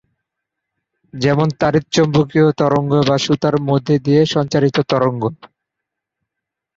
যেমন তাড়িতচৌম্বকীয় তরঙ্গ বা সুতার মধ্যে দিয়ে সঞ্চারিত তরঙ্গ।